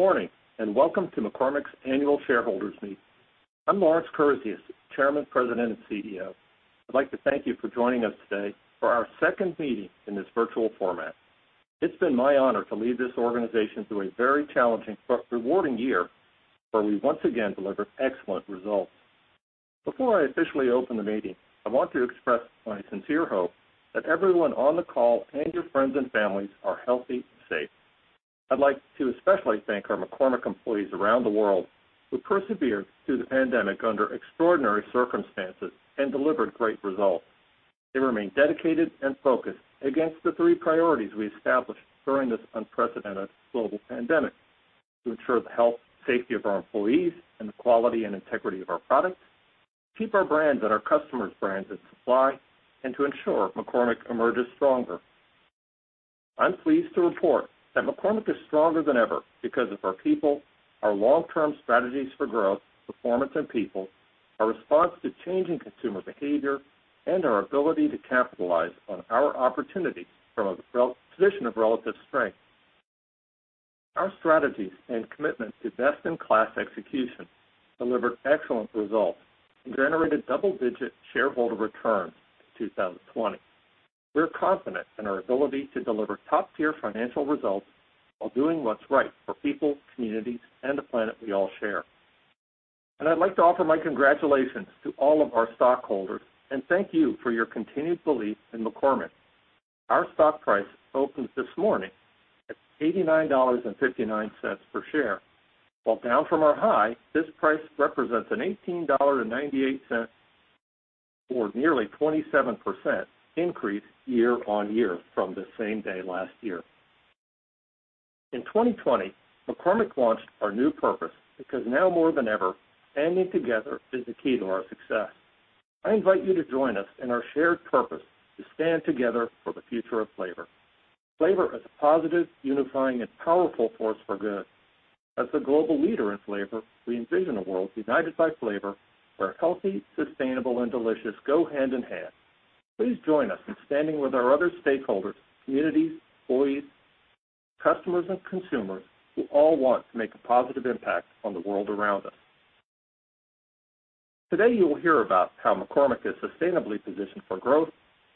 Good morning. Welcome to McCormick's Annual Shareholders Meeting. I'm Lawrence Kurzius, Chairman, President, and CEO. I'd like to thank you for joining us today for our second meeting in this virtual format. It's been my honor to lead this organization through a very challenging but rewarding year, where we once again delivered excellent results. Before I officially open the meeting, I want to express my sincere hope that everyone on the call, and your friends and families, are healthy and safe. I'd like to especially thank our McCormick employees around the world, who persevered through the pandemic under extraordinary circumstances and delivered great results. They remain dedicated and focused against the three priorities we established during this unprecedented global pandemic: to ensure the health and safety of our employees and the quality and integrity of our products, keep our brands and our customers' brands in supply, and to ensure McCormick emerges stronger. I'm pleased to report that McCormick is stronger than ever because of our people, our long-term strategies for growth, performance, and people, our response to changing consumer behavior, and our ability to capitalize on our opportunities from a position of relative strength. Our strategies and commitment to best-in-class execution delivered excellent results and generated double-digit shareholder returns in 2020. We're confident in our ability to deliver top-tier financial results while doing what's right for people, communities, and the planet we all share. I'd like to offer my congratulations to all of our stockholders, and thank you for your continued belief in McCormick. Our stock price opened this morning at $89.59 per share. While down from our high, this price represents an $18.98, or nearly 27%, increase year-on-year from the same day last year. In 2020, McCormick launched our new purpose, because now more than ever, banding together is the key to our success. I invite you to join us in our shared purpose to stand together for the future of flavor. Flavor is a positive, unifying, and powerful force for good. As the global leader in flavor, we envision a world united by flavor, where healthy, sustainable, and delicious go hand in hand. Please join us in standing with our other stakeholders, communities, employees, customers, and consumers who all want to make a positive impact on the world around us. Today, you'll hear about how McCormick is sustainably positioned for growth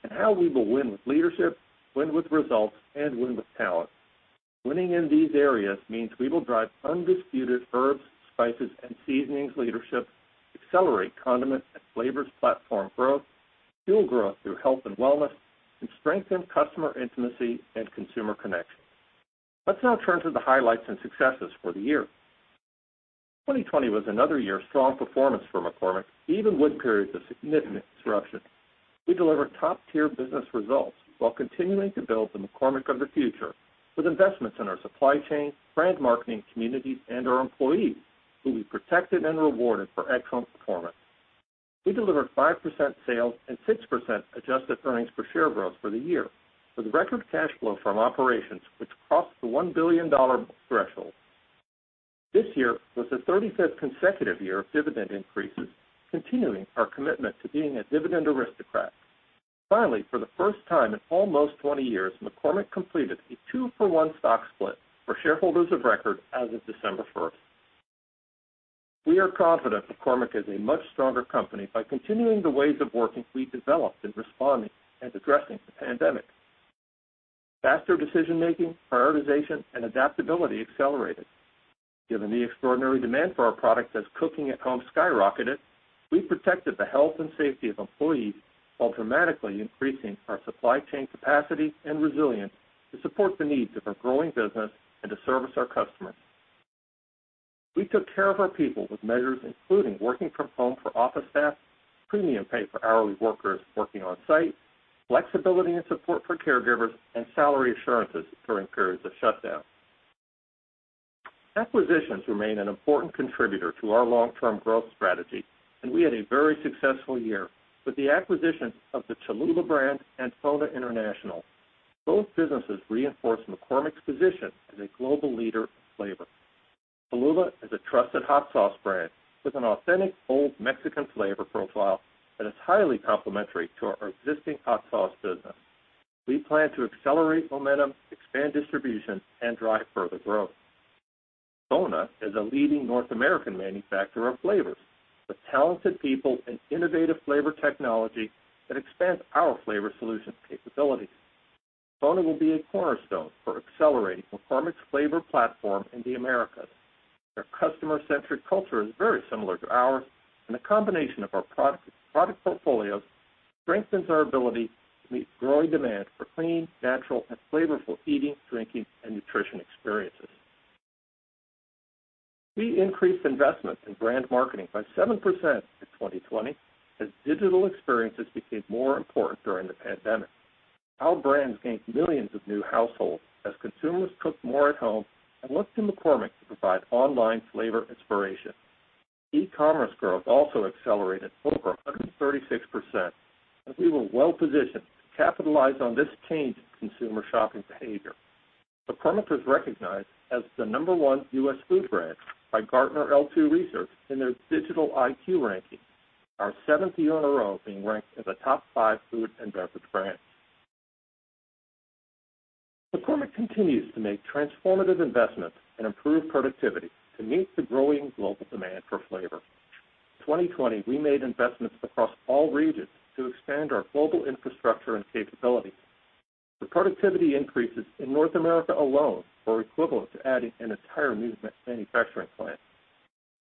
and how we will win with leadership, win with results, and win with talent. Winning in these areas means we will drive undisputed herbs, spices, and seasonings leadership, accelerate condiment and flavors platform growth, fuel growth through health and wellness, and strengthen customer intimacy and consumer connection. Let's now turn to the highlights and successes for the year. 2020 was another year of strong performance for McCormick, even with periods of significant disruption. We delivered top-tier business results while continuing to build the McCormick of the future with investments in our supply chain, brand marketing, communities, and our employees, who we protected and rewarded for excellent performance. We delivered 5% sales and 6% adjusted earnings per share growth for the year, with record cash flow from operations, which crossed the $1 billion threshold. This year was the 35th consecutive year of dividend increases, continuing our commitment to being a Dividend Aristocrat. For the first time in almost 20 years, McCormick completed a 2-for-1 stock split for shareholders of record as of December 1st. We are confident McCormick is a much stronger company by continuing the ways of working we developed in responding and addressing the pandemic. Faster decision making, prioritization, and adaptability accelerated. Given the extraordinary demand for our products as cooking at home skyrocketed, we protected the health and safety of employees while dramatically increasing our supply chain capacity and resilience to support the needs of our growing business and to service our customers. We took care of our people with measures including working from home for office staff, premium pay for hourly workers working on site, flexibility and support for caregivers, and salary assurances during periods of shutdown. Acquisitions remain an important contributor to our long-term growth strategy. We had a very successful year with the acquisition of the Cholula brand and FONA International. Both businesses reinforce McCormick's position as a global leader in flavor. Cholula is a trusted hot sauce brand with an authentic old Mexican flavor profile that is highly complementary to our existing hot sauce business. We plan to accelerate momentum, expand distribution, and drive further growth. FONA is a leading North American manufacturer of flavors with talented people and innovative flavor technology that expands our flavor solution capabilities. FONA will be a cornerstone for accelerating McCormick's flavor platform in the Americas. Their customer-centric culture is very similar to ours, and the combination of our product portfolios strengthens our ability to meet growing demand for clean, natural, and flavorful eating, drinking, and nutrition experiences. We increased investments in brand marketing by 7% in 2020, as digital experiences became more important during the pandemic. Our brands gained millions of new households as consumers cooked more at home and looked to McCormick to provide online flavor inspiration. E-commerce growth also accelerated over 136%, as we were well positioned to capitalize on this change in consumer shopping behavior. McCormick was recognized as the number one U.S. food brand by Gartner L2 research in their Digital IQ ranking, our seventh year in a row of being ranked as a top five food and beverage brand. McCormick continues to make transformative investments and improve productivity to meet the growing global demand for flavor. In 2020, we made investments across all regions to expand our global infrastructure and capabilities. The productivity increases in North America alone were equivalent to adding an entire new manufacturing plant.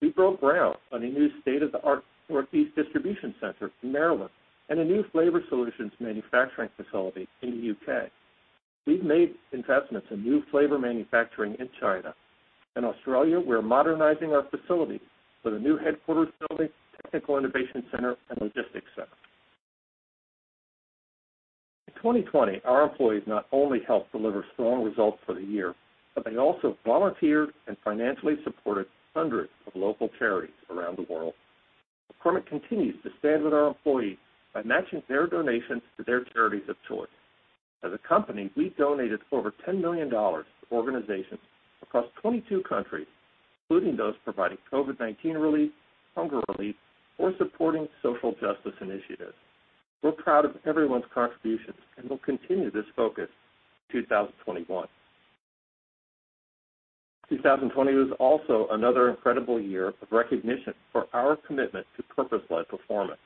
We broke ground on a new state-of-the-art Northeast distribution center in Maryland and a new Flavor Solutions manufacturing facility in the U.K. We've made investments in new flavor manufacturing in China. In Australia, we're modernizing our facility with a new headquarters building, technical innovation center, and logistics center. In 2020, our employees not only helped deliver strong results for the year, but they also volunteered and financially supported hundreds of local charities around the world. McCormick continues to stand with our employees by matching their donations to their charities of choice. As a company, we donated over $10 million to organizations across 22 countries, including those providing COVID-19 relief, hunger relief, or supporting social justice initiatives. We're proud of everyone's contributions. We'll continue this focus in 2021. 2020 was also another incredible year of recognition for our commitment to purpose-led performance.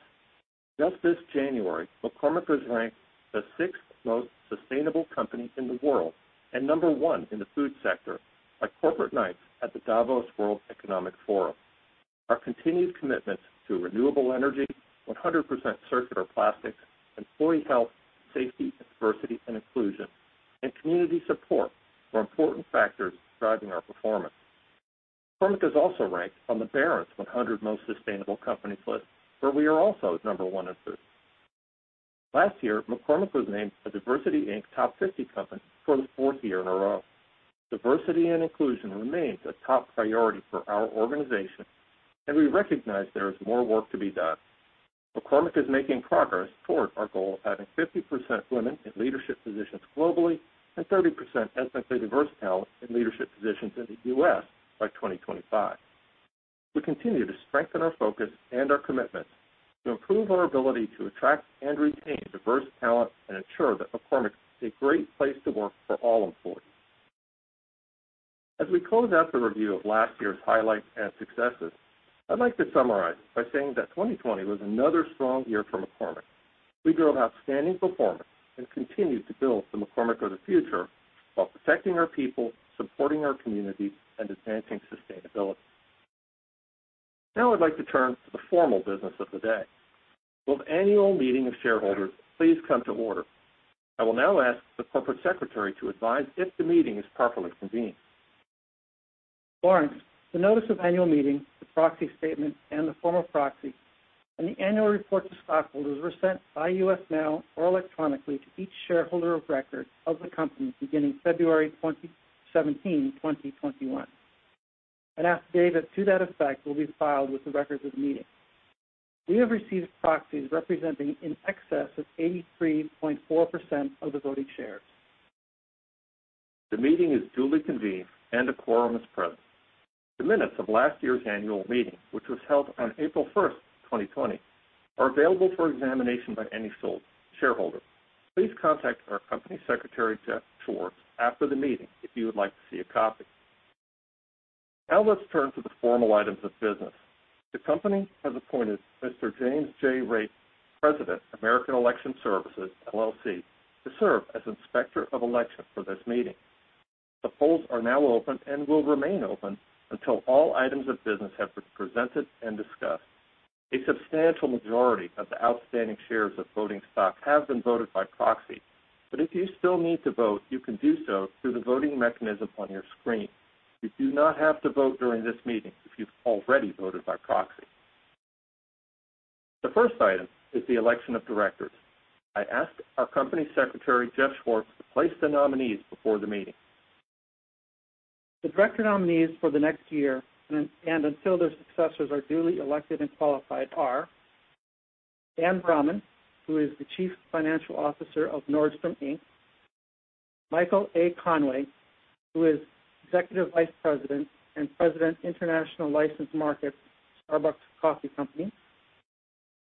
Just this January, McCormick was ranked the sixth most sustainable company in the world and number one in the food sector by Corporate Knights at the Davos World Economic Forum. Our continued commitments to renewable energy, 100% circular plastics, employee health, safety, and diversity and inclusion, and community support were important factors in driving our performance. McCormick is also ranked on the Barron's 100 Most Sustainable Companies list, where we are also number one in food. Last year, McCormick was named a DiversityInc Top 50 company for the fourth year in a row. Diversity and inclusion remains a top priority for our organization. We recognize there is more work to be done. McCormick is making progress toward our goal of having 50% women in leadership positions globally and 30% ethnically diverse talent in leadership positions in the U.S. by 2025. We continue to strengthen our focus and our commitment to improve our ability to attract and retain diverse talent and ensure that McCormick is a great place to work for all employees. As we close out the review of last year's highlights and successes, I'd like to summarize by saying that 2020 was another strong year for McCormick. We drove outstanding performance and continued to build the McCormick of the future while protecting our people, supporting our communities, and advancing sustainability. Now I'd like to turn to the formal business of the day. Will the annual meeting of shareholders please come to order? I will now ask the Corporate Secretary to advise if the meeting is properly convened. Lawrence, the notice of annual meeting, the proxy statement, and the form of proxy, and the annual report to stockholders were sent by U.S. mail or electronically to each shareholder of record of the company beginning February 17, 2021. I'd ask Dave that to that effect will be filed with the records of the meeting. We have received proxies representing in excess of 83.4% of the voting shares. The meeting is duly convened and a quorum is present. The minutes of last year's annual meeting, which was held on April 1st, 2020, are available for examination by any shareholder. Please contact our company secretary, Jeff Schwartz, after the meeting if you would like to see a copy. Now let's turn to the formal items of business. The company has appointed Mr. James J. Rhatigan, President, American Election Services, LLC, to serve as Inspector of Election for this meeting. The polls are now open and will remain open until all items of business have been presented and discussed. A substantial majority of the outstanding shares of voting stock have been voted by proxy. If you still need to vote, you can do so through the voting mechanism on your screen. You do not have to vote during this meeting if you've already voted by proxy. The first item is the election of directors. I ask our Company Secretary, Jeff Schwartz, to place the nominees before the meeting. The director nominees for the next year and until their successors are duly elected and qualified are Anne L. Bramman, who is the Chief Financial Officer of Nordstrom, Inc., Michael A. Conway, who is Executive Vice President and President, International Licensed Markets, Starbucks Coffee Company,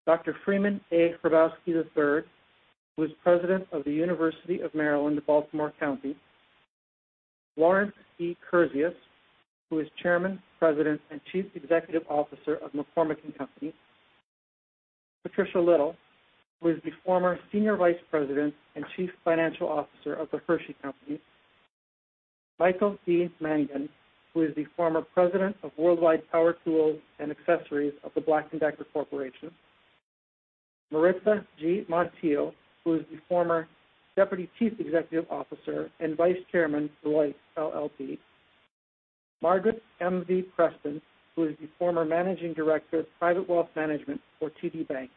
Dr. Freeman A. Hrabowski III, who is President of the University of Maryland, Baltimore County, Lawrence E. Kurzius, who is Chairman, President, and Chief Executive Officer of McCormick & Company, Patricia Little, who is the former Senior Vice President and Chief Financial Officer of The Hershey Company, Michael D. Mangan, who is the former President of Worldwide Power Tools and Accessories of The Black & Decker Corporation, Maritza G. Montiel, who is the former Deputy Chief Executive Officer and Vice Chairman, Deloitte LLP, Margaret M. V. Preston, who is the former Managing Director of Private Wealth Management for TD Bank,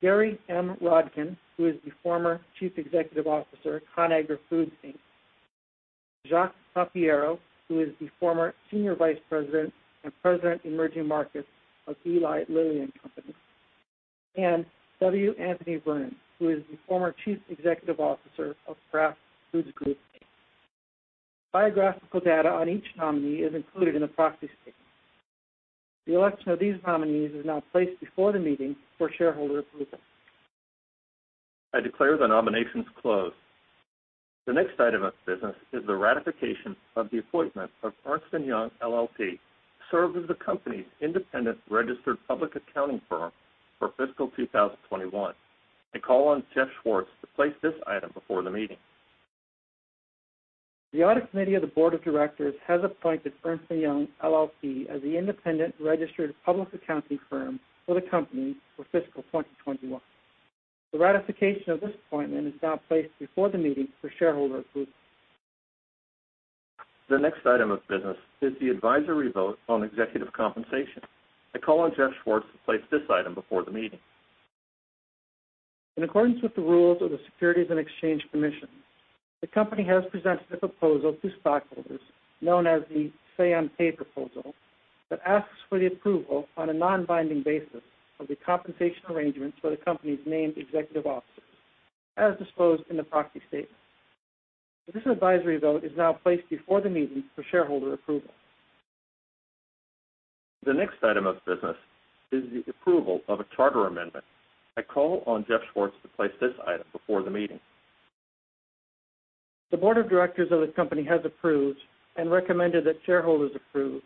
Gary M. Rodkin, who is the former Chief Executive Officer, ConAgra Foods, Inc., Jacques Tapiero, who is the former Senior Vice President and President, Emerging Markets of Eli Lilly and Company, and W. Anthony Vernon, who is the former Chief Executive Officer of Kraft Foods Group Inc. Biographical data on each nominee is included in the proxy statement. The election of these nominees is now placed before the meeting for shareholder approval. I declare the nominations closed. The next item of business is the ratification of the appointment of Ernst & Young LLP to serve as the company's independent registered public accounting firm for fiscal 2021. I call on Jeff Schwartz to place this item before the meeting. The audit committee of the board of directors has appointed Ernst & Young LLP as the independent registered public accounting firm for the company for fiscal 2021. The ratification of this appointment is now placed before the meeting for shareholder approval. The next item of business is the advisory vote on executive compensation. I call on Jeff Schwartz to place this item before the meeting. In accordance with the rules of the Securities and Exchange Commission, the company has presented a proposal to stockholders known as the Say on Pay proposal that asks for the approval on a non-binding basis of the compensation arrangements for the company's named executive officers as disclosed in the proxy statement. This advisory vote is now placed before the meeting for shareholder approval. The next item of business is the approval of a charter amendment. I call on Jeff Schwartz to place this item before the meeting. The board of directors of the company has approved and recommended that shareholders approve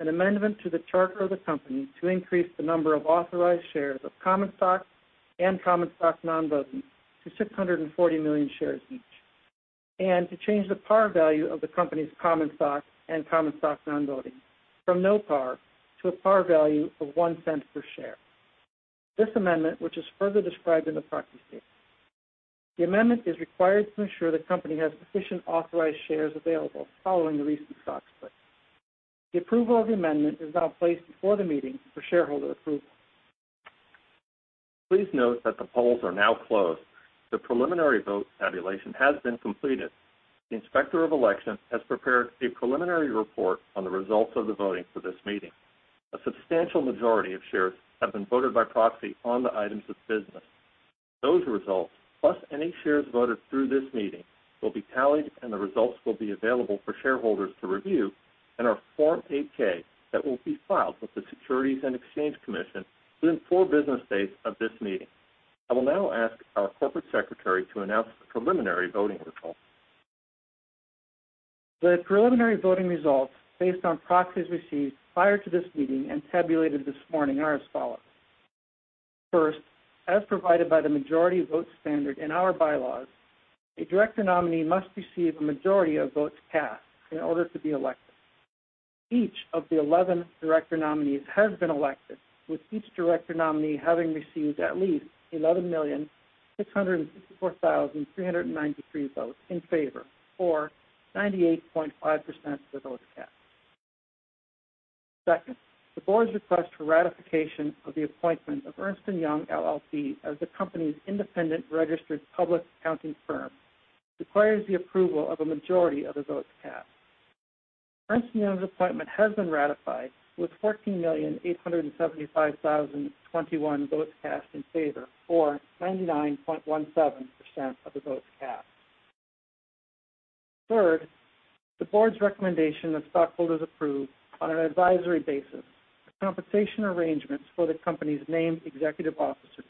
an amendment to the charter of the company to increase the number of authorized shares of common stock and common stock non-voting to 640 million shares each, and to change the par value of the company's common stock and common stock non-voting from no par to a par value of $0.01 per share. This amendment, which is further described in the proxy statement. The amendment is required to ensure the company has sufficient authorized shares available following the recent stock split. The approval of the amendment is now placed before the meeting for shareholder approval. Please note that the polls are now closed. The preliminary vote tabulation has been completed. The Inspector of Election has prepared a preliminary report on the results of the voting for this meeting. A substantial majority of shares have been voted by proxy on the items of business. Those results, plus any shares voted through this meeting, will be tallied, and the results will be available for shareholders to review in our Form 8-K that will be filed with the Securities and Exchange Commission within four business days of this meeting. I will now ask our corporate secretary to announce the preliminary voting results. The preliminary voting results, based on proxies received prior to this meeting and tabulated this morning, are as follows. First, as provided by the majority vote standard in our bylaws, a director nominee must receive a majority of votes cast in order to be elected. Each of the 11 director nominees has been elected, with each director nominee having received at least 11,664,393 votes in favor or 98.5% of the votes cast. Second, the board's request for ratification of the appointment of Ernst & Young LLP as the company's independent registered public accounting firm requires the approval of a majority of the votes cast. Ernst & Young's appointment has been ratified with 14,875,021 votes cast in favor or 99.17% of the votes cast. Third, the board's recommendation that stockholders approve on an advisory basis the compensation arrangements for the company's named executive officers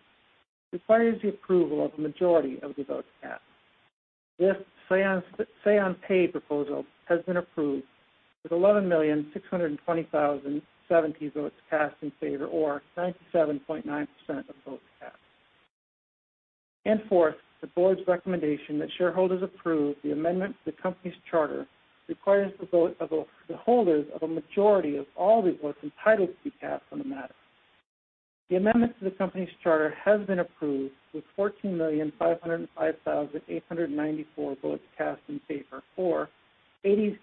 requires the approval of a majority of the votes cast. This Say on Pay proposal has been approved with 11,620,070 votes cast in favor or 97.9% of votes cast. Fourth, the board's recommendation that shareholders approve the amendment to the company's charter requires the holders of a majority of all the votes entitled to be cast on the matter. The amendment to the company's charter has been approved with 14,505,894 votes cast in favor or 80.6%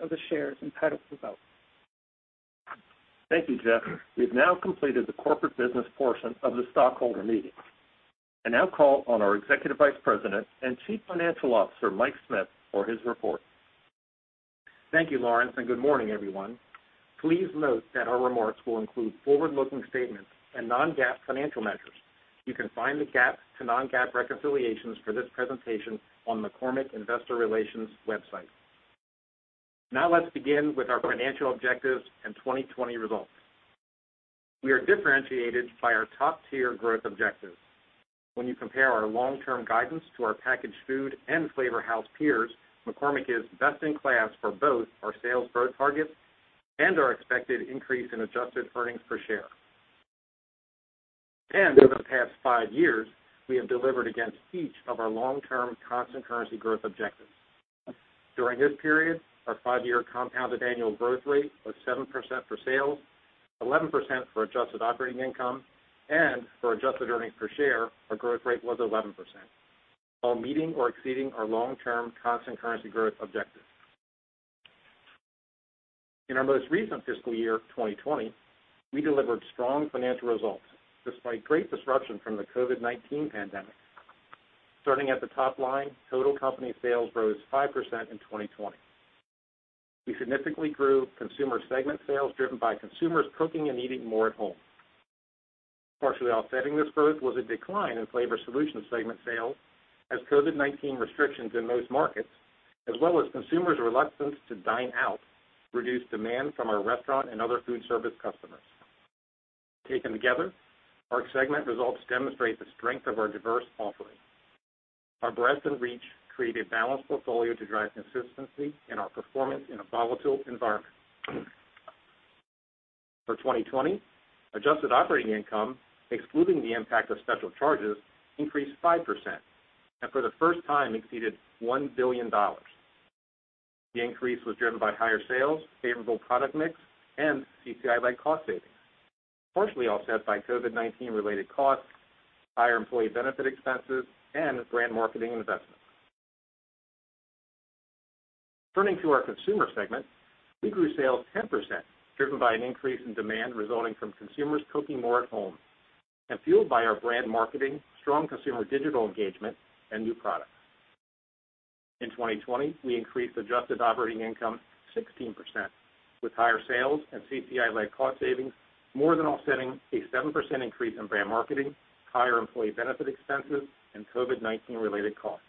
of the shares entitled to vote. Thank you, Jeff. We've now completed the corporate business portion of the stockholder meeting. I now call on our Executive Vice President and Chief Financial Officer, Mike Smith, for his report. Thank you, Lawrence, and good morning, everyone. Please note that our remarks will include forward-looking statements and non-GAAP financial measures. You can find the GAAP to non-GAAP reconciliations for this presentation on McCormick Investor Relations website. Now let's begin with our financial objectives and 2020 results. We are differentiated by our top-tier growth objectives. When you compare our long-term guidance to our packaged food and flavor house peers, McCormick is best in class for both our sales growth targets and our expected increase in adjusted earnings per share. Over the past five years, we have delivered against each of our long-term constant currency growth objectives. During this period, our five-year compounded annual growth rate was 7% for sales, 11% for adjusted operating income, and for adjusted earnings per share, our growth rate was 11%, while meeting or exceeding our long-term constant currency growth objective. In our most recent fiscal year, 2020, we delivered strong financial results despite great disruption from the COVID-19 pandemic. Starting at the top line, total company sales rose 5% in 2020. We significantly grew consumer segment sales, driven by consumers cooking and eating more at home. Partially offsetting this growth was a decline in flavor solution segment sales as COVID-19 restrictions in most markets, as well as consumers' reluctance to dine out, reduced demand from our restaurant and other food service customers. Taken together, our segment results demonstrate the strength of our diverse offerings. Our breadth and reach create a balanced portfolio to drive consistency in our performance in a volatile environment. For 2020, adjusted operating income, excluding the impact of special charges, increased 5%, and for the first time exceeded $1 billion. The increase was driven by higher sales, favorable product mix, and CCI-led cost savings, partially offset by COVID-19 related costs, higher employee benefit expenses, and brand marketing investments. Turning to our consumer segment, we grew sales 10%, driven by an increase in demand resulting from consumers cooking more at home and fueled by our brand marketing, strong consumer digital engagement, and new products. In 2020, we increased adjusted operating income 16%, with higher sales and CCI-led cost savings more than offsetting a 7% increase in brand marketing, higher employee benefit expenses, and COVID-19 related costs.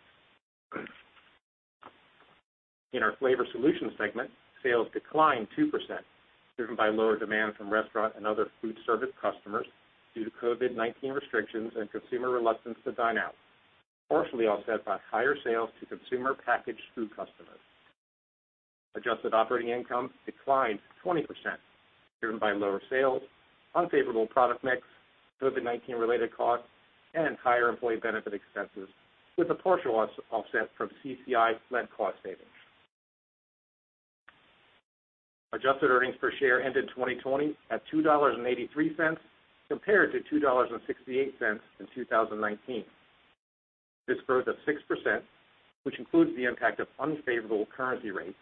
In our flavor solutions segment, sales declined 2%, driven by lower demand from restaurant and other food service customers due to COVID-19 restrictions and consumer reluctance to dine out, partially offset by higher sales to consumer packaged food customers. Adjusted operating income declined 20%, driven by lower sales, unfavorable product mix, COVID-19 related costs, and higher employee benefit expenses, with a partial offset from CCI-led cost savings. Adjusted earnings per share ended 2020 at $2.83 compared to $2.68 in 2019. This growth of 6%, which includes the impact of unfavorable currency rates,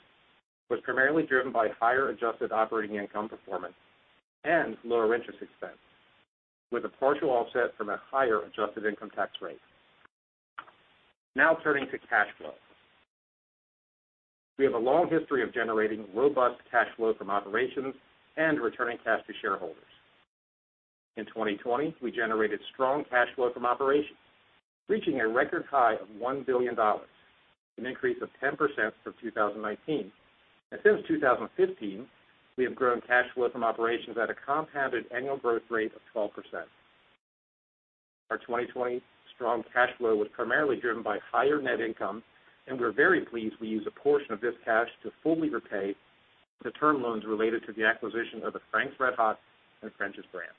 was primarily driven by higher adjusted operating income performance and lower interest expense, with a partial offset from a higher adjusted income tax rate. Turning to cash flow. We have a long history of generating robust cash flow from operations and returning cash to shareholders. In 2020, we generated strong cash flow from operations, reaching a record high of $1 billion, an increase of 10% from 2019. Since 2015, we have grown cash flow from operations at a compounded annual growth rate of 12%. Our 2020 strong cash flow was primarily driven by higher net income, and we're very pleased we used a portion of this cash to fully repay the term loans related to the acquisition of the Frank's RedHot and French's brands.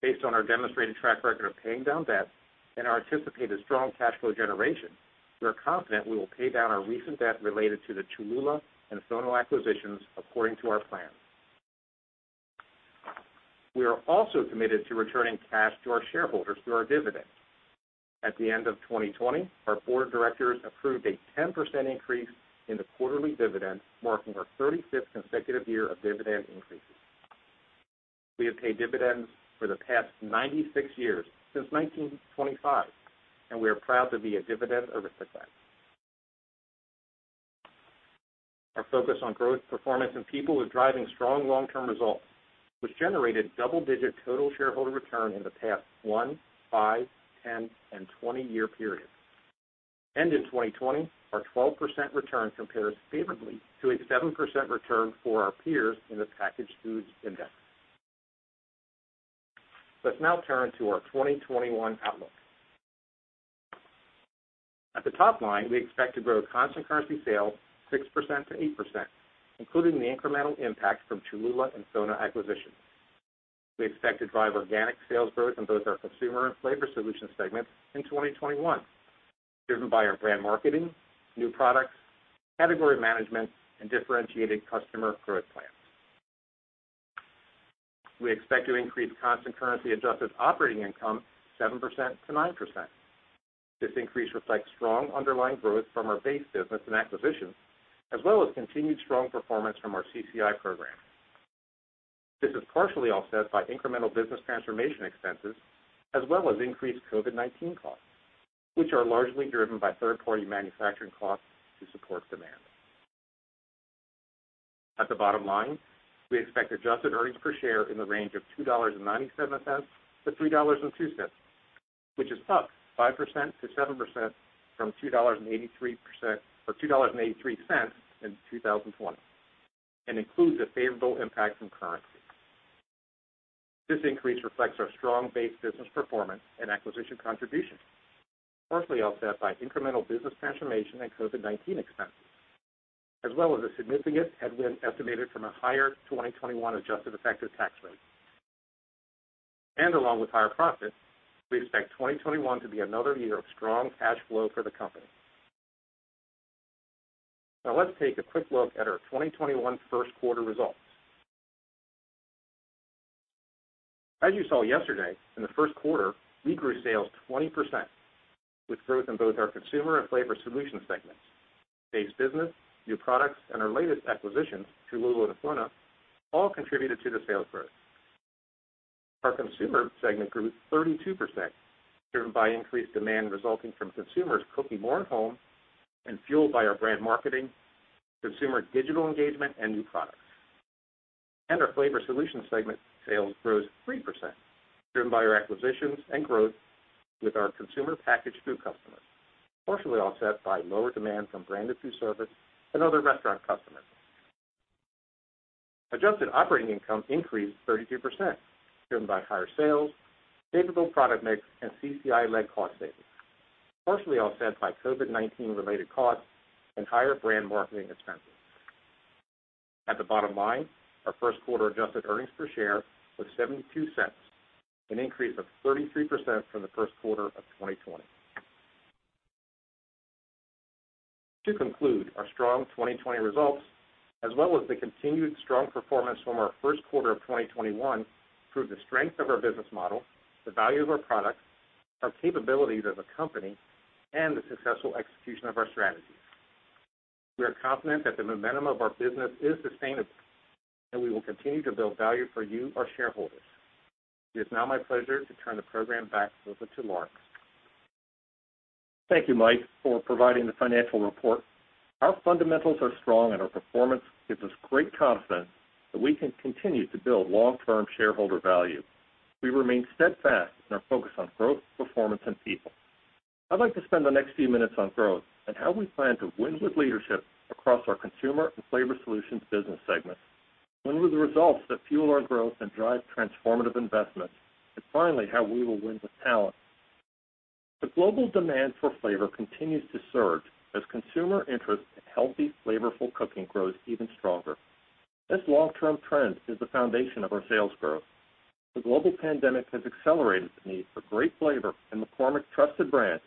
Based on our demonstrated track record of paying down debt and our anticipated strong cash flow generation, we are confident we will pay down our recent debt related to the Cholula and FONA acquisitions according to our plan. We are also committed to returning cash to our shareholders through our dividends. At the end of 2020, our board of directors approved a 10% increase in the quarterly dividend, marking our 35th consecutive year of dividend increases. We have paid dividends for the past 96 years, since 1925, and we are proud to be a Dividend Aristocrat. Our focus on growth, performance, and people is driving strong long-term results, which generated double-digit total shareholder return in the past one, five, 10, and 20-year periods. In 2020, our 12% return compares favorably to a 7% return for our peers in the packaged foods index. Let's now turn to our 2021 outlook. At the top line, we expect to grow constant currency sales 6%-8%, including the incremental impact from Cholula and FONA acquisitions. We expect to drive organic sales growth in both our consumer and Flavor Solutions segments in 2021, driven by our brand marketing, new products, category management, and differentiated customer growth plans. We expect to increase constant currency adjusted operating income 7%-9%. This increase reflects strong underlying growth from our base business and acquisitions, as well as continued strong performance from our CCI program. This is partially offset by incremental business transformation expenses, as well as increased COVID-19 costs, which are largely driven by third-party manufacturing costs to support demand. At the bottom line, we expect adjusted earnings per share in the range of $2.97-$3.02, which is up 5%-7% from $2.83 in 2020 and includes a favorable impact from currency. This increase reflects our strong base business performance and acquisition contribution, partially offset by incremental business transformation and COVID-19 expenses, as well as a significant headwind estimated from a higher 2021 adjusted effective tax rate. Along with higher profits, we expect 2021 to be another year of strong cash flow for the company. Now let's take a quick look at our 2021 Q1 results. As you saw yesterday, in the Q1, we grew sales 20%, with growth in both our consumer and flavor solution segments. Base business, new products, and our latest acquisitions, Cholula and FONA, all contributed to the sales growth. Our Consumer segment grew 32%, driven by increased demand resulting from consumers cooking more at home and fueled by our brand marketing, consumer digital engagement and new products. Our Flavor Solutions segment sales rose 3%, driven by our acquisitions and growth with our consumer packaged food customers, partially offset by lower demand from branded foodservice and other restaurant customers. Adjusted operating income increased 33%, driven by higher sales, favorable product mix, and CCI-led cost savings, partially offset by COVID-19 related costs and higher brand marketing expenses. At the bottom line, our Q1 adjusted earnings per share was $0.72, an increase of 33% from the Q1 of 2020. To conclude, our strong 2020 results, as well as the continued strong performance from our Q1 of 2021, prove the strength of our business model, the value of our products, our capabilities as a company, and the successful execution of our strategies. We are confident that the momentum of our business is sustainable, and we will continue to build value for you, our shareholders. It is now my pleasure to turn the program back over to Lawrence. Thank you, Mike, for providing the financial report. Our fundamentals are strong, and our performance gives us great confidence that we can continue to build long-term shareholder value. We remain steadfast in our focus on growth, performance, and people. I'd like to spend the next few minutes on growth and how we plan to win with leadership across our Consumer and Flavor Solutions business segments, win with the results that fuel our growth and drive transformative investments, and finally, how we will win with talent. The global demand for flavor continues to surge as consumer interest in healthy, flavorful cooking grows even stronger. This long-term trend is the foundation of our sales growth. The global pandemic has accelerated the need for great flavor and McCormick's trusted brands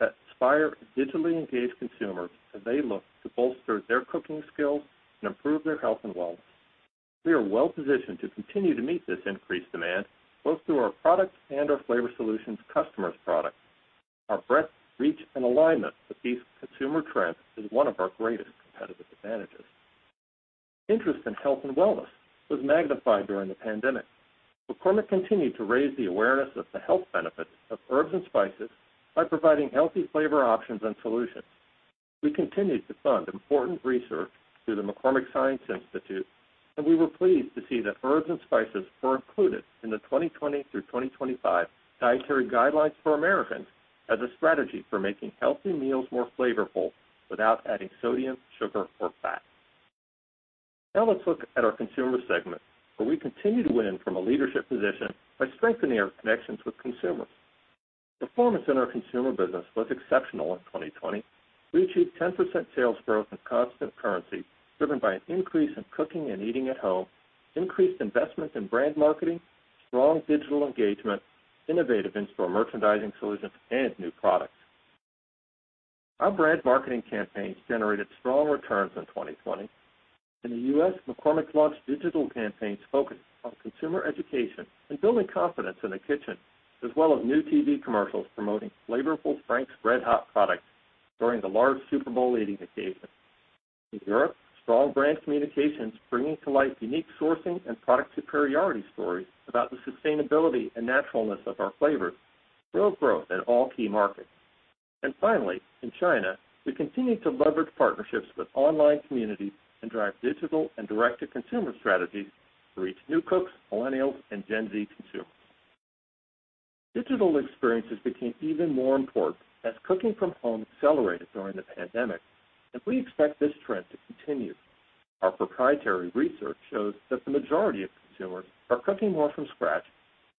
that inspire digitally engaged consumers as they look to bolster their cooking skills and improve their health and wellness. We are well-positioned to continue to meet this increased demand, both through our products and our Flavor Solutions customers' products. Our breadth, reach, and alignment with these consumer trends is one of our greatest competitive advantages. Interest in health and wellness was magnified during the pandemic. McCormick continued to raise the awareness of the health benefits of herbs and spices by providing healthy flavor options and solutions. We continued to fund important research through the McCormick Science Institute, and we were pleased to see that herbs and spices were included in the 2020 through 2025 Dietary Guidelines for Americans as a strategy for making healthy meals more flavorful without adding sodium, sugar, or fat. Now let's look at our Consumer segment, where we continue to win from a leadership position by strengthening our connections with consumers. Performance in our Consumer business was exceptional in 2020. We achieved 10% sales growth in constant currency, driven by an increase in cooking and eating at home, increased investments in brand marketing, strong digital engagement, innovative in-store merchandising solutions, and new products. Our brand marketing campaigns generated strong returns in 2020. In the U.S., McCormick launched digital campaigns focused on consumer education and building confidence in the kitchen, as well as new TV commercials promoting flavorful Frank's RedHot products during the large Super Bowl eating occasion. In Europe, strong brand communications bringing to light unique sourcing and product superiority stories about the sustainability and naturalness of our flavors drove growth in all key markets. Finally, in China, we continued to leverage partnerships with online communities and drive digital and direct-to-consumer strategies to reach new cooks, millennials, and Gen Z consumers. Digital experiences became even more important as cooking from home accelerated during the pandemic, and we expect this trend to continue. Our proprietary research shows that the majority of consumers are cooking more from scratch,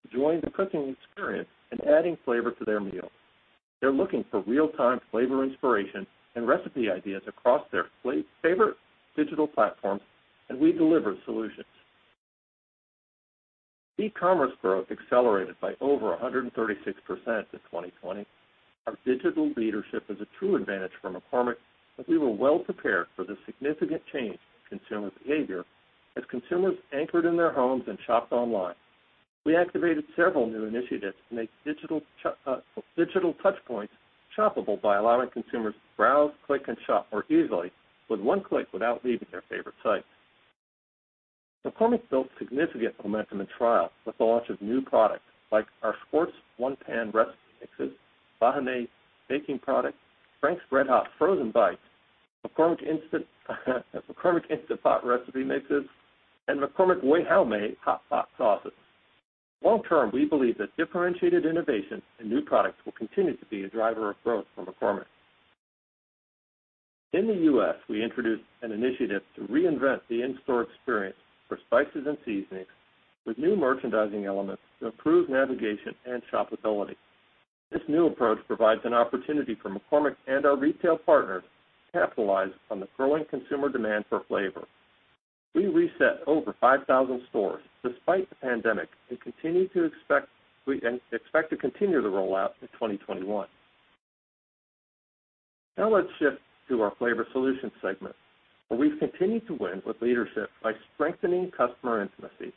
enjoying the cooking experience, and adding flavor to their meals. They're looking for real-time flavor inspiration and recipe ideas across their favorite digital platforms, and we deliver solutions. E-commerce growth accelerated by over 136% in 2020. Our digital leadership is a true advantage for McCormick, as we were well prepared for the significant change in consumer behavior as consumers anchored in their homes and shopped online. We activated several new initiatives to make digital touchpoints shoppable by allowing consumers to browse, click, and shop more easily with one click without leaving their favorite site. McCormick built significant momentum in trial with the launch of new products like our Zatarain's One Pan recipe mixes, Vahiné Baking products, Frank's RedHot Frozen Bites, McCormick Instant Pot recipe mixes, and McCormick Wei-Hao-Mei hot pot sauces. Long term, we believe that differentiated innovation and new products will continue to be a driver of growth for McCormick. In the U.S., we introduced an initiative to reinvent the in-store experience for spices and seasonings with new merchandising elements to improve navigation and shoppability. This new approach provides an opportunity for McCormick and our retail partners to capitalize on the growing consumer demand for flavor. We reset over 5,000 stores despite the pandemic and expect to continue the rollout in 2021. Let's shift to our Flavor Solutions segment, where we've continued to win with leadership by strengthening customer intimacy.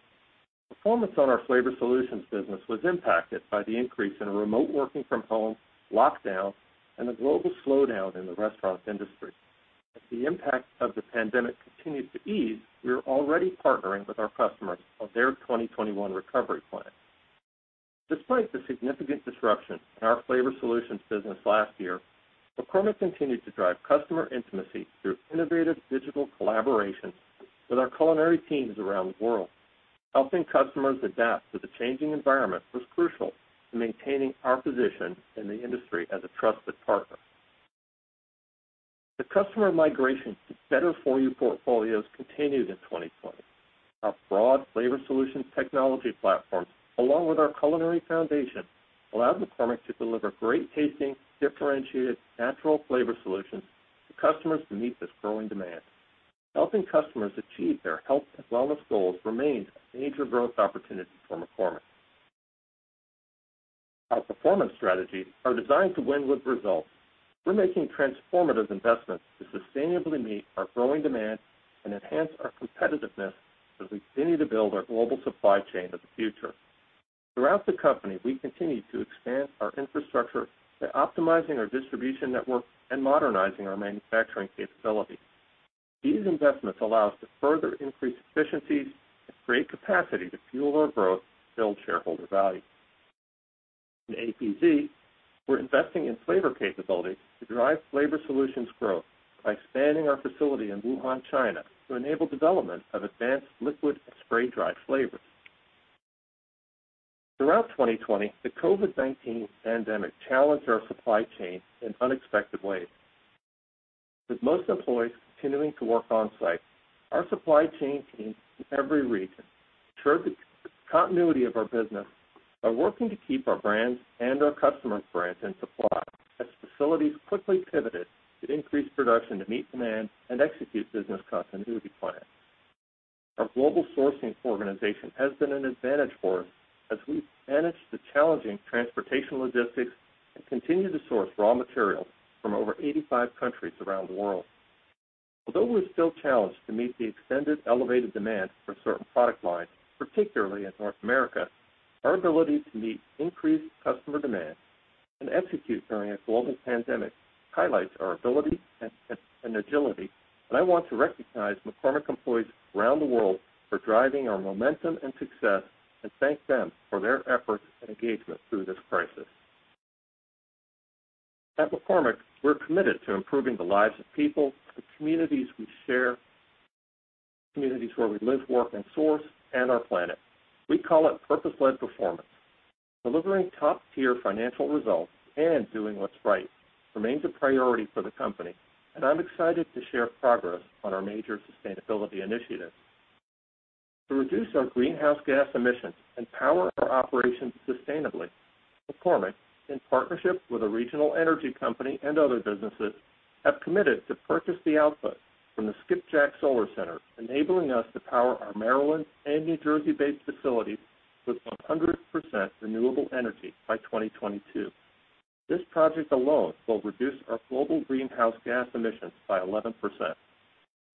Performance on our Flavor Solutions business was impacted by the increase in remote working from home, lockdowns, and the global slowdown in the restaurant industry. As the impact of the pandemic continues to ease, we are already partnering with our customers on their 2021 recovery plans. Despite the significant disruption in our Flavor Solutions business last year, McCormick continued to drive customer intimacy through innovative digital collaboration with our culinary teams around the world. Helping customers adapt to the changing environment was crucial to maintaining our position in the industry as a trusted partner. The customer migration to better-for-you portfolios continued in 2020. Our broad Flavor Solutions technology platform, along with our culinary foundation, allowed McCormick to deliver great tasting, differentiated natural Flavor Solutions to customers to meet this growing demand. Helping customers achieve their health and wellness goals remains a major growth opportunity for McCormick. Our performance strategies are designed to win with results. We're making transformative investments to sustainably meet our growing demand and enhance our competitiveness as we continue to build our global supply chain of the future. Throughout the company, we continue to expand our infrastructure by optimizing our distribution network and modernizing our manufacturing capabilities. These investments allow us to further increase efficiencies and create capacity to fuel our growth and build shareholder value. In APZ, we're investing in flavor capabilities to drive flavor solutions growth by expanding our facility in Wuhan, China, to enable development of advanced liquid and spray-dried flavors. Throughout 2020, the COVID-19 pandemic challenged our supply chain in unexpected ways. With most employees continuing to work on-site, our supply chain teams in every region ensured the continuity of our business by working to keep our brands and our customers' brands in supply as facilities quickly pivoted to increase production to meet demand and execute business continuity plans. Our global sourcing organization has been an advantage for us as we've managed the challenging transportation logistics and continue to source raw materials from over 85 countries around the world. Although we're still challenged to meet the extended elevated demand for certain product lines, particularly in North America, our ability to meet increased customer demand and execute during a global pandemic highlights our ability and agility, and I want to recognize McCormick employees around the world for driving our momentum and success and thank them for their efforts and engagement through this crisis. At McCormick, we're committed to improving the lives of people, the communities we share, communities where we live, work, and source, and our planet. We call it purpose-led performance. Delivering top-tier financial results and doing what's right remains a priority for the company, and I'm excited to share progress on our major sustainability initiatives. To reduce our greenhouse gas emissions and power our operations sustainably, McCormick, in partnership with a regional energy company and other businesses, have committed to purchase the output from the Skipjack Solar Center, enabling us to power our Maryland and New Jersey-based facilities with 100% renewable energy by 2022. This project alone will reduce our global greenhouse gas emissions by 11%.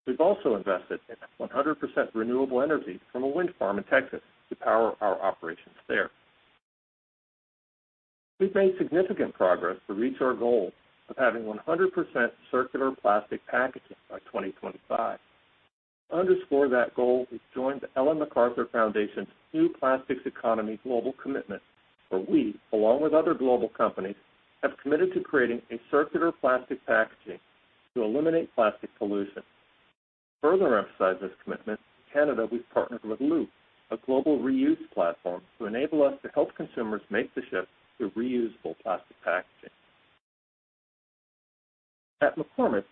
We've also invested in 100% renewable energy from a wind farm in Texas to power our operations there. We've made significant progress to reach our goal of having 100% circular plastic packaging by 2025. To underscore that goal, we've joined the Ellen MacArthur Foundation's New Plastics Economy Global Commitment, where we, along with other global companies, have committed to creating a circular plastic packaging to eliminate plastic pollution. To further emphasize this commitment, in Canada, we've partnered with Loop, a global reuse platform, to enable us to help consumers make the shift to reusable plastic packaging. At McCormick,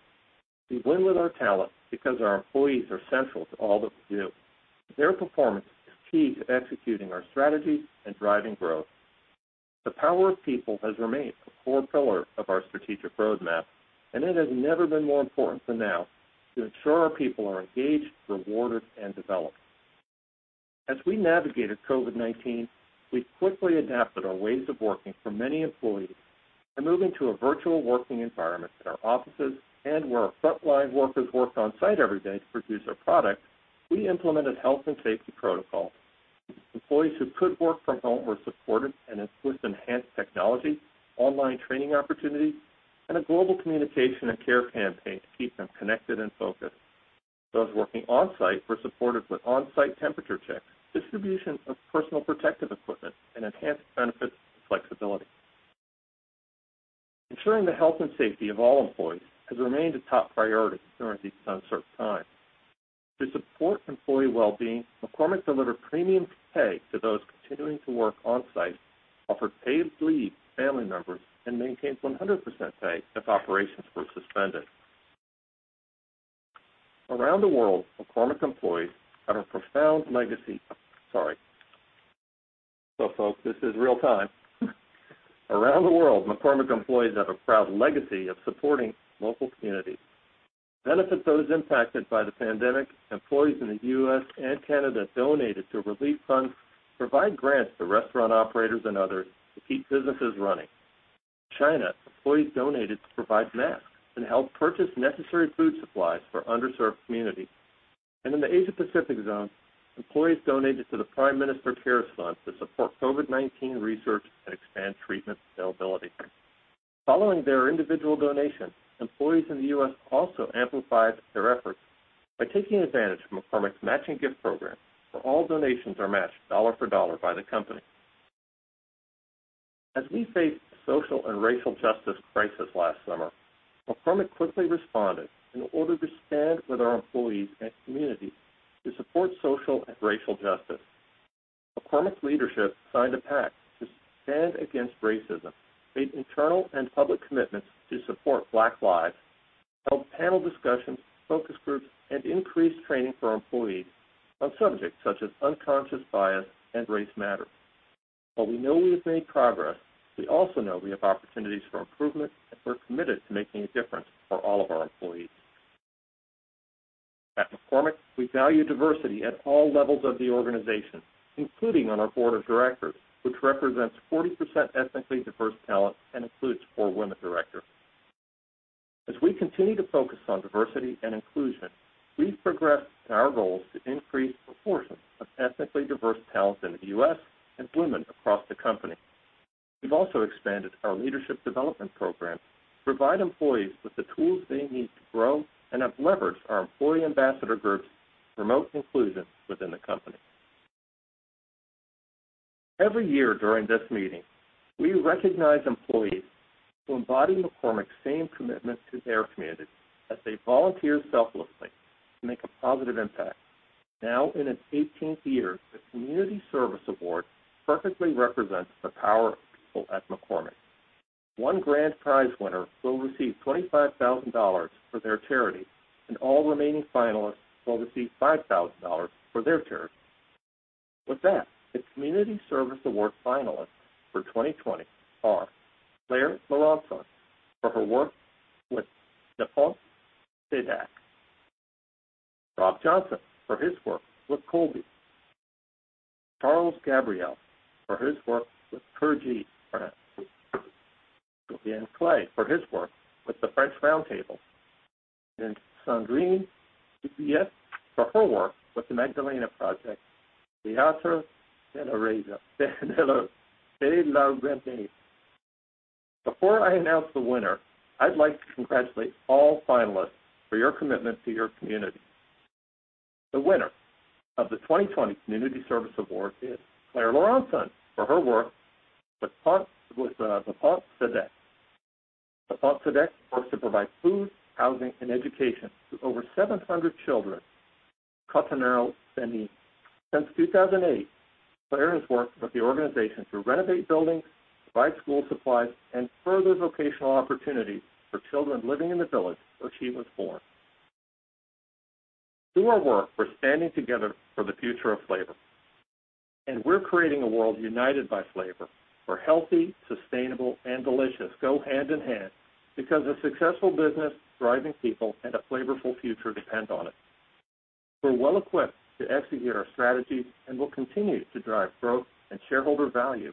we win with our talent because our employees are central to all that we do. Their performance is key to executing our strategy and driving growth. The power of people has remained a core pillar of our strategic roadmap, and it has never been more important than now to ensure our people are engaged, rewarded, and developed. As we navigated COVID-19, we quickly adapted our ways of working for many employees by moving to a virtual working environment in our offices and where our frontline workers worked on-site every day to produce our products, we implemented health and safety protocols. Employees who could work from home were supported with enhanced technology, online training opportunities, and a global communication and care campaign to keep them connected and focused. Those working on-site were supported with on-site temperature checks, distribution of personal protective equipment, and enhanced benefits and flexibility. Ensuring the health and safety of all employees has remained a top priority during these uncertain times. To support employee well-being, McCormick delivered premium pay to those continuing to work on-site, offered paid leave for family members, and maintained 100% pay if operations were suspended. Around the world, McCormick employees have a profound legacy. Sorry. Folks, this is real-time. Around the world, McCormick employees have a proud legacy of supporting local communities. To benefit those impacted by the pandemic, employees in the U.S. and Canada donated to relief funds to provide grants to restaurant operators and others to keep businesses running. In China, employees donated to provide masks and helped purchase necessary food supplies for underserved communities. In the Asia Pacific zone, employees donated to the PM CARES Fund to support COVID-19 research and expand treatment availability. Following their individual donation, employees in the U.S. also amplified their efforts by taking advantage of McCormick's matching gift program, where all donations are matched dollar for dollar by the company. As we faced a social and racial justice crisis last summer, McCormick quickly responded in order to stand with our employees and communities to support social and racial justice. McCormick's leadership signed a pact to stand against racism, made internal and public commitments to support Black lives, held panel discussions, focus groups, and increased training for our employees on subjects such as unconscious bias and race matters. While we know we have made progress, we also know we have opportunities for improvement, and we're committed to making a difference for all of our employees. At McCormick, we value diversity at all levels of the organization, including on our board of directors, which represents 40% ethnically diverse talent and includes four women directors. As we continue to focus on diversity and inclusion, we've progressed in our goals to increase proportions of ethnically diverse talent in the U.S. and women across the company. We've also expanded our leadership development program to provide employees with the tools they need to grow and have leveraged our employee ambassador groups to promote inclusion within the company. Every year during this meeting, we recognize employees who embody McCormick's same commitment to their community as they volunteer selflessly to make a positive impact. Now in its 18th year, the Community Service Award perfectly represents the power of people at McCormick. One grand prize winner will receive $25,000 for their charity, and all remaining finalists will receive $5,000 for their charity. With that, the Community Service Award finalists for 2020 are Claire Laurencin for her work with Le Pont Sadek, Rob Johnson for his work with Coabi, Charles Gabriel for his work with Curgy France, Julien Clay for his work with the French Round Table, and Sandrine Doucet for her work with The Magdalena Project, Casa de la Renaissance. Before I announce the winner, I'd like to congratulate all finalists for your commitment to your community. The winner of the 2020 Community Service Award is Claire Laurencin for her work with Le Pont Sadek. Le Pont Sadek works to provide food, housing, and education to over 700 children in Cotonou, Benin. Since 2008, Claire has worked with the organization to renovate buildings, provide school supplies, and further vocational opportunities for children living in the village where she was born. Through our work, we're standing together for the future of flavor, we're creating a world united by flavor where healthy, sustainable, and delicious go hand in hand because a successful business, thriving people, and a flavorful future depend on it. We're well equipped to execute our strategy and will continue to drive growth and shareholder value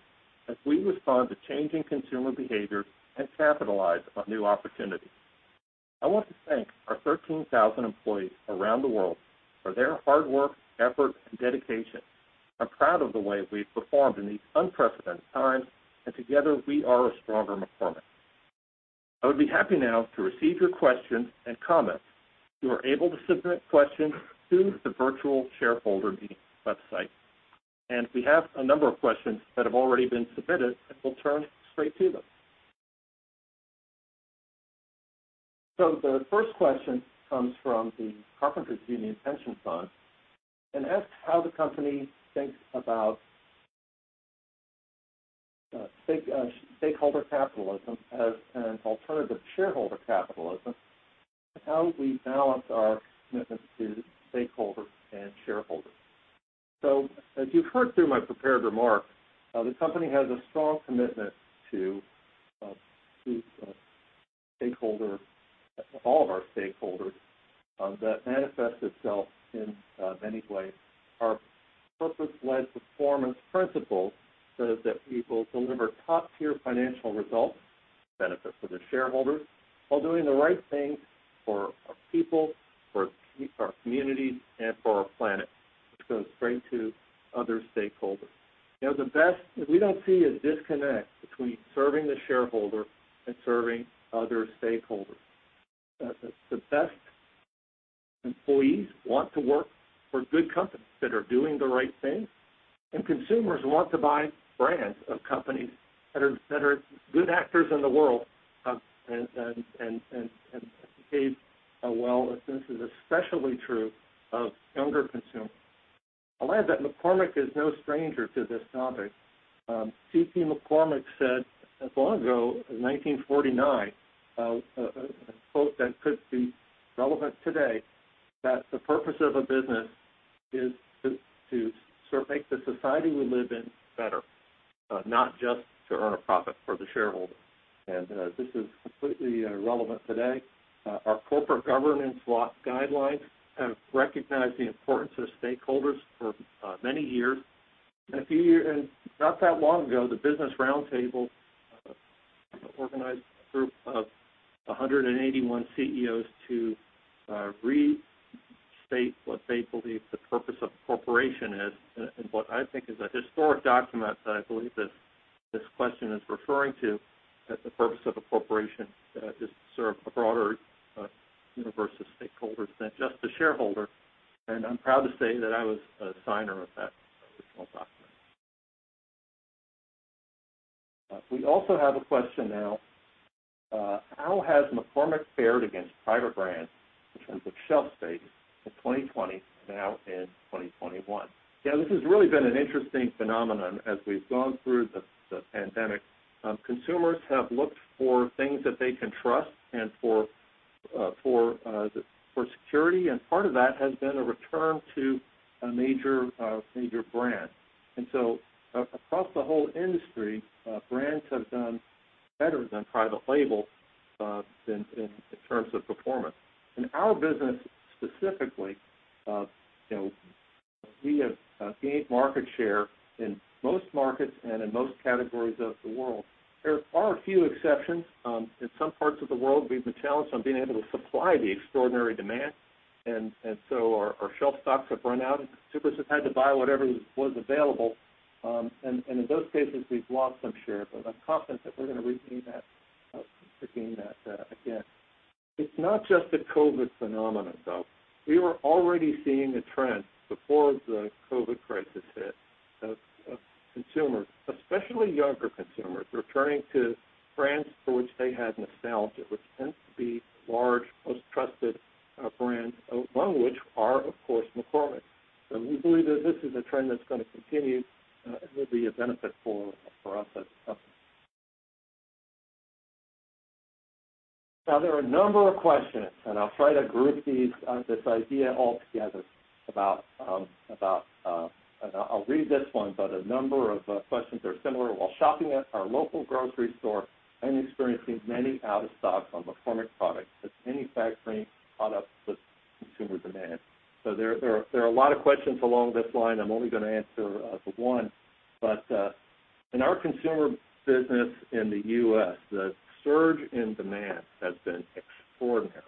as we respond to changing consumer behavior and capitalize on new opportunities. I want to thank our 13,000 employees around the world for their hard work, effort, and dedication. I'm proud of the way we've performed in these unprecedented times, and together, we are a stronger McCormick. I would be happy now to receive your questions and comments. You are able to submit questions through the virtual shareholder meeting website, and we have a number of questions that have already been submitted, and we'll turn straight to them. The first question comes from the Carpenters Union Pension Fund and asks how the company thinks about stakeholder capitalism as an alternative to shareholder capitalism, and how we balance our commitment to stakeholders and shareholders. As you've heard through my prepared remarks, the company has a strong commitment to all of our stakeholders that manifests itself in many ways. Our Purpose-led Performance principle says that we will deliver top-tier financial results, benefits for the shareholders, while doing the right thing for our people, for our communities, and for our planet, which goes straight to other stakeholders. We don't see a disconnect between serving the shareholder and serving other stakeholders. The best employees want to work for good companies that are doing the right thing, and consumers want to buy brands of companies that are good actors in the world and behave well, and this is especially true of younger consumers. I'll add that McCormick is no stranger to this topic. C.P. McCormick said as long ago as 1949, a quote that could be relevant today, that the purpose of a business is to make the society we live in better, not just to earn a profit for the shareholder. This is completely relevant today. Our corporate governance guidelines have recognized the importance of stakeholders for many years. Not that long ago, the Business Roundtable organized a group of 181 CEOs to re-state what they believe the purpose of a corporation is. What I think is a historic document that I believe this question is referring to, that the purpose of a corporation is to serve a broader universe of stakeholders than just the shareholder. I'm proud to say that I was a signer of that original document. We also have a question now, "How has McCormick fared against private brands in terms of shelf status in 2020, now in 2021?" Yeah, this has really been an interesting phenomenon as we've gone through the pandemic. Consumers have looked for things that they can trust and for security, part of that has been a return to a major brand. Across the whole industry, brands have done better than private label in terms of performance. In our business specifically, we have gained market share in most markets and in most categories of the world. There are a few exceptions. In some parts of the world, we've been challenged on being able to supply the extraordinary demand, so our shelf stocks have run out, and supermarkets have had to buy whatever was available. In those cases, we've lost some share, but I'm confident that we're going to regain that again. It's not just a COVID phenomenon, though. We were already seeing a trend before the COVID crisis hit, of consumers, especially younger consumers, returning to brands for which they had nostalgia, which tends to be large, most trusted brands, among which are, of course, McCormick. We believe that this is a trend that's going to continue and will be a benefit for us as a company. There are a number of questions, and I'll try to group this idea all together. I'll read this one, a number of questions are similar. "While shopping at our local grocery store, I'm experiencing many out of stocks on McCormick products. Has manufacturing caught up with consumer demand?" There are a lot of questions along this line. I'm only going to answer for one. In our consumer business in the U.S., the surge in demand has been extraordinary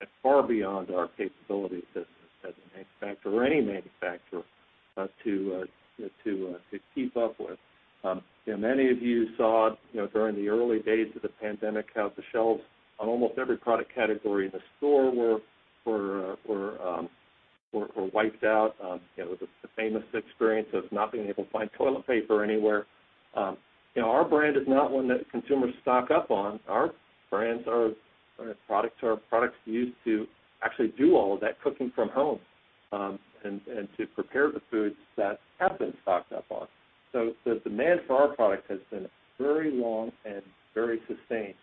and far beyond our capability as a manufacturer, or any manufacturer, to keep up with. Many of you saw during the early days of the pandemic how the shelves on almost every product category in the store were wiped out. There was the famous experience of not being able to find toilet paper anywhere. Our brand is not one that consumers stock up on. Our products are products used to actually do all of that cooking from home, and to prepare the foods that have been stocked up on. The demand for our product has been very long and very sustained.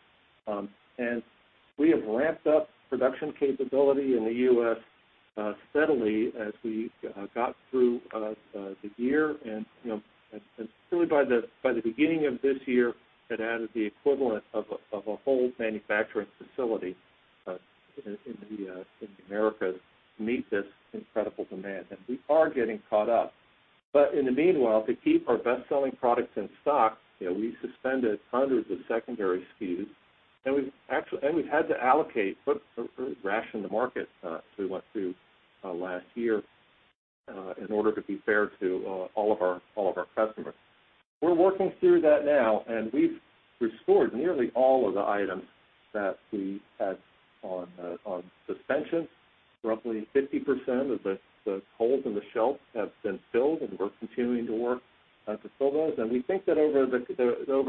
We have ramped up production capability in the U.S. steadily as we got through the year. Really by the beginning of this year, had added the equivalent of a whole manufacturing facility in the Americas to meet this incredible demand. We are getting caught up. In the meanwhile, to keep our best-selling products in stock, we suspended hundreds of secondary SKUs, and we've had to allocate, ration the market as we went through last year, in order to be fair to all of our customers. We're working through that now, and we've restored nearly all of the items that we had on suspension. Roughly 50% of the holes in the shelf have been filled, and we're continuing to work to fill those. We think that over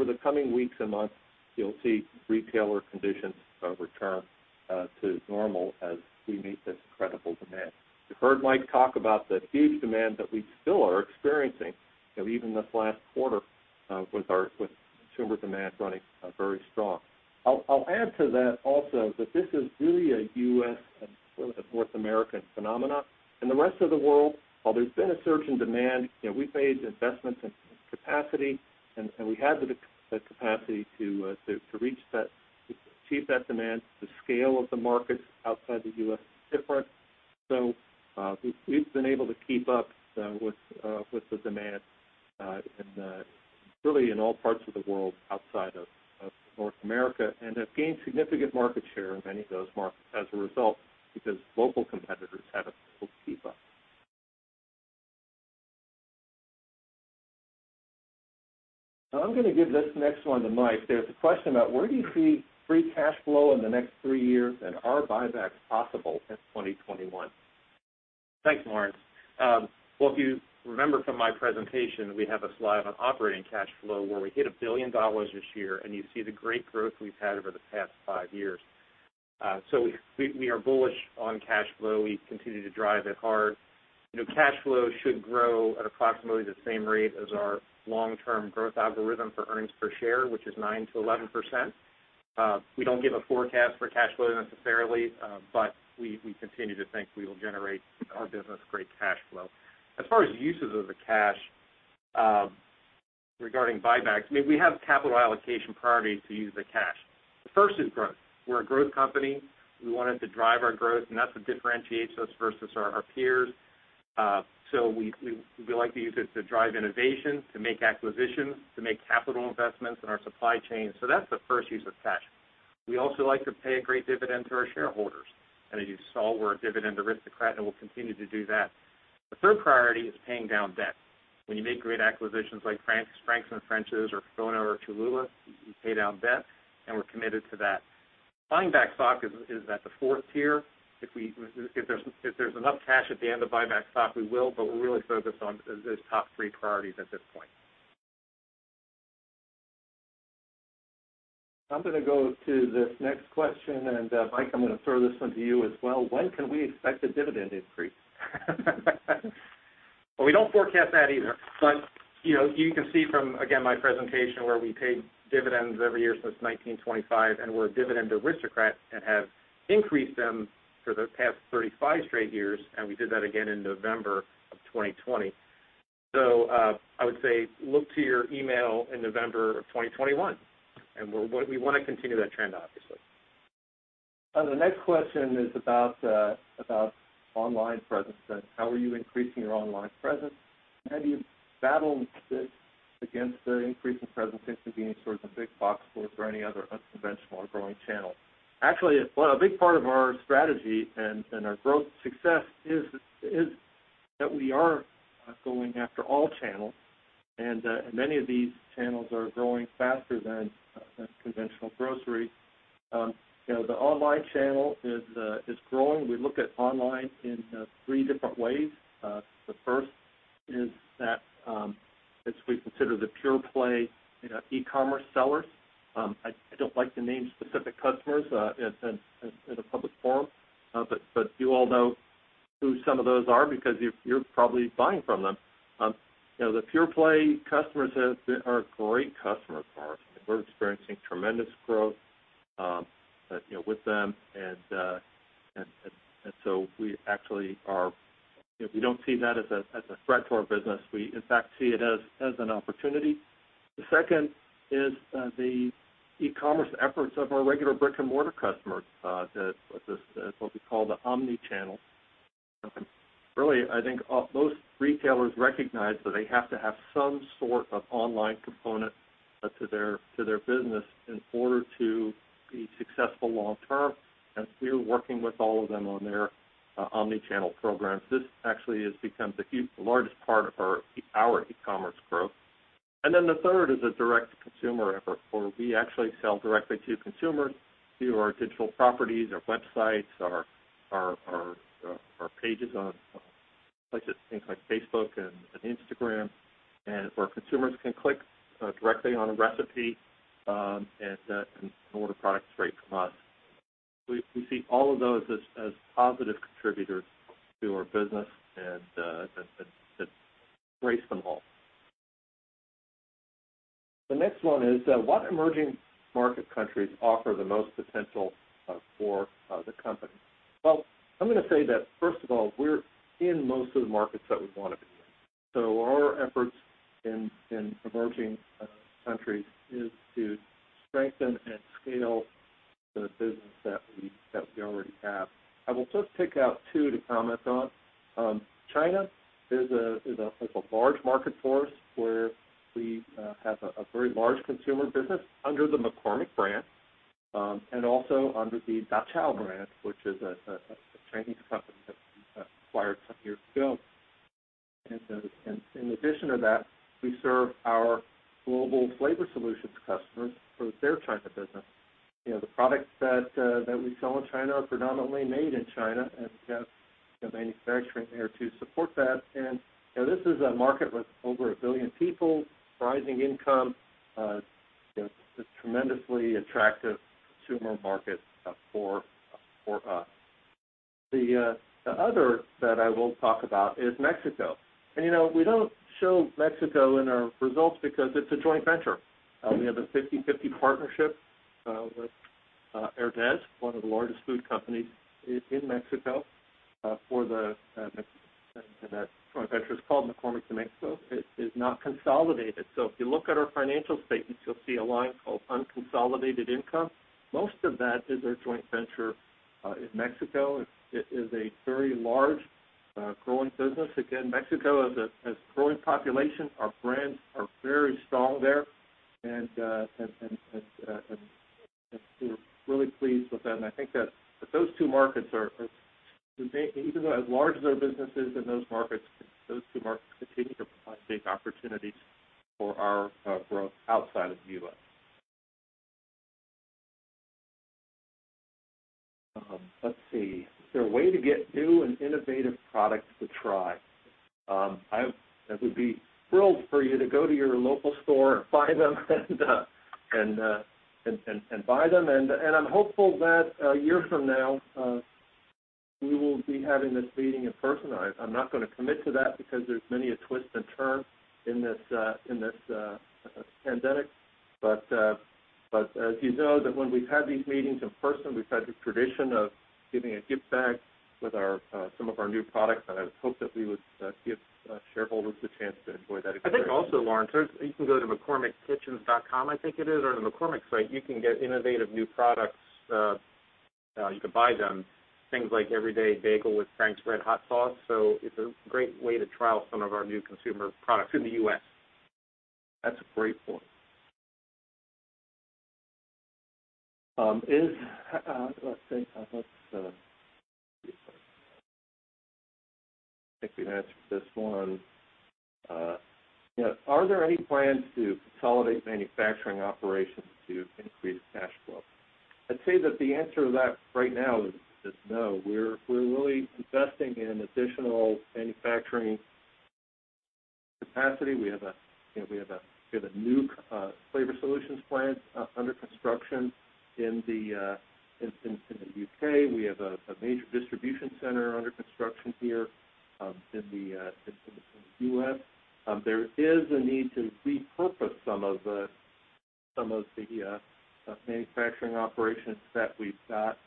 the coming weeks and months, you'll see retailer conditions return to normal as we meet this incredible demand. You've heard Mike talk about the huge demand that we still are experiencing, even this last quarter, with consumer demand running very strong. I'll add to that also that this is really a U.S. and North American phenomena. In the rest of the world, while there's been a surge in demand, we've made investments in capacity, and we had the capacity to achieve that demand. The scale of the markets outside the U.S. is different. We've been able to keep up with the demand really in all parts of the world outside of North America, and have gained significant market share in many of those markets as a result, because local competitors haven't been able to keep up. I'm going to give this next one to Mike. There's a question about, "Where do you see free cash flow in the next three years, and are buybacks possible in 2021? Thanks, Lawrence. If you remember from my presentation, we have a slide on operating cash flow where we hit $1 billion this year, and you see the great growth we've had over the past five years. We are bullish on cash flow. We continue to drive it hard. Cash flow should grow at approximately the same rate as our long-term growth algorithm for earnings per share, which is 9%-11%. We don't give a forecast for cash flow necessarily, but we continue to think we will generate our business great cash flow. As far as uses of the cash regarding buybacks, we have capital allocation priority to use the cash. The first is growth. We're a growth company. We want it to drive our growth, that's what differentiates us versus our peers. So we like to use it to drive innovation, to make acquisitions, to make capital investments in our supply chain. That's the first use of cash. We also like to pay a great dividend to our shareholders. As you saw, we're a dividend aristocrat, and we'll continue to do that. The third priority is paying down debt. When you make great acquisitions like Frank's and French's or FONA or Cholula, you pay down debt, and we're committed to that. Buying back stock is at the fourth tier. If there's enough cash at the end to buy back stock, we will, we're really focused on those top three priorities at this point. I'm going to go to this next question, and Mike, I'm going to throw this one to you as well. When can we expect a dividend increase? We don't forecast that either. You can see from, again, my presentation, where we paid dividends every year since 1925, and we're a dividend aristocrat and have increased them for the past 35 straight years, and we did that again in November of 2020. I would say look to your email in November of 2021. We want to continue that trend, obviously. The next question is about online presence. How are you increasing your online presence, how do you battle against the increasing presence of convenience stores and big box stores or any other unconventional or growing channel? Actually, a big part of our strategy and our growth success is that we are going after all channels. Many of these channels are growing faster than conventional grocery. The online channel is growing. We look at online in three different ways. The first is that it's what we consider the pure play ecommerce sellers. I don't like to name specific customers in a public forum. You all know who some of those are because you're probably buying from them. The pure play customers are great customers for us. We're experiencing tremendous growth with them. We don't see that as a threat to our business. We, in fact, see it as an opportunity. The second is the e-commerce efforts of our regular brick-and-mortar customers, what we call the omni-channel. Really, I think most retailers recognize that they have to have some sort of online component to their business in order to be successful long term. We're working with all of them on their omni-channel programs. This actually has become the largest part of our e-commerce growth. The third is a direct-to-consumer effort, where we actually sell directly to consumers through our digital properties, our websites, our pages on places, things like Facebook and Instagram, and where consumers can click directly on a recipe and order products straight from us. We see all of those as positive contributors to our business and embrace them all. The next one is, what emerging market countries offer the most potential for the company? I'm going to say that, first of all, we're in most of the markets that we want to be in. Our efforts in emerging countries is to strengthen and scale the business that we already have. I will just pick out two to comment on. China is a large market for us, where we have a very large consumer business under the McCormick brand and also under the Daqiao brand, which is a Chinese company that we acquired some years ago. In addition to that, we serve our global flavor solutions customers for their China business. The products that we sell in China are predominantly made in China, and we have manufacturing there to support that. This is a market with over a billion people, rising income. It's a tremendously attractive consumer market for us. The other that I will talk about is Mexico. We don't show Mexico in our results because it's a joint venture. We have a 50/50 partnership with Grupo Herdez, one of the largest food companies in Mexico, for the joint venture. It's called McCormick de Mexico. It is not consolidated. If you look at our financial statements, you'll see a line called unconsolidated income. Most of that is our joint venture in Mexico. It is a very large, growing business. Again, Mexico has a growing population. Our brands are very strong there, and we're really pleased with that. I think that those two markets are, even though as large as our business is in those markets, those two markets continue to provide big opportunities for our growth outside of the U.S. Let's see. Is there a way to get new and innovative products to try? I would be thrilled for you to go to your local store and find them and buy them. I'm hopeful that a year from now, we will be having this meeting in person. I'm not going to commit to that because there's many a twist and turn in this pandemic. As you know that when we've had these meetings in person, we've had the tradition of giving a gift bag with some of our new products, and I would hope that we would give shareholders the chance to enjoy that again. I think also, Lawrence, you can go to mccormickkitchens.com, I think it is, or the McCormick site. You can get innovative new products. You can buy them. Things like Frank's RedHot Everything Bagel Seasoning. It's a great way to trial some of our new consumer products in the U.S. That's a great point. Let's see. I think we can answer this one. Are there any plans to consolidate manufacturing operations to increase cash flow? I'd say that the answer to that right now is no. We're really investing in additional manufacturing capacity. We have a new flavor solutions plant under construction in the U.K. We have a major distribution center under construction here in the U.S. There is a need to repurpose some of the manufacturing operations that we've got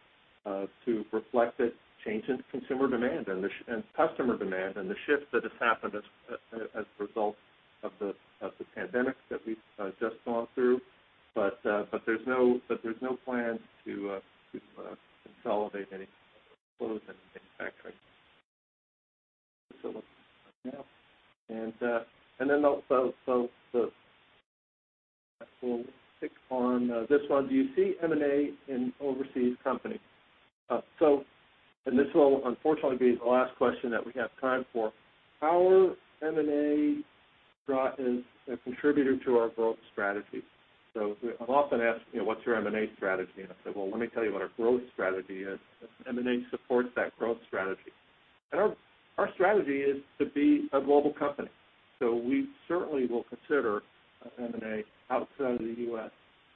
to reflect the change in consumer demand and customer demand and the shift that has happened as a result of the pandemic that we've just gone through. There's no plan to consolidate any, close any manufacturing facilities right now. Also, we'll pick on this one. Do you see M&A in overseas company? This will unfortunately be the last question that we have time for. Our M&A is a contributor to our growth strategy. I'm often asked, "What's your M&A strategy?" I say, "Well, let me tell you what our growth strategy is." M&A supports that growth strategy. Our strategy is to be a global company. We certainly will consider M&A outside of the U.S.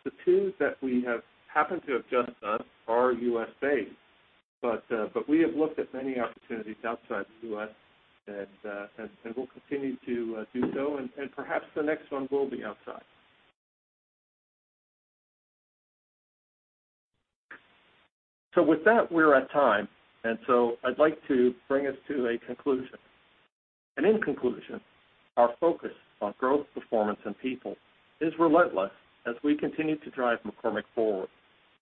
The two that we have happened to have done are U.S.-based. We have looked at many opportunities outside the U.S., and we'll continue to do so, and perhaps the next one will be outside. With that, we're at time, I'd like to bring us to a conclusion. In conclusion, our focus on growth, performance, and people is relentless as we continue to drive McCormick forward.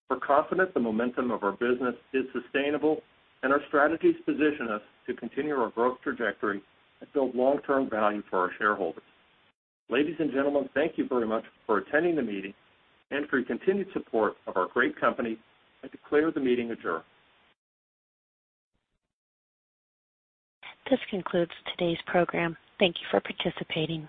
We're confident the momentum of our business is sustainable, and our strategies position us to continue our growth trajectory and build long-term value for our shareholders. Ladies and gentlemen, thank you very much for attending the meeting and for your continued support of our great company. I declare the meeting adjourned. This concludes today's program. Thank you for participating.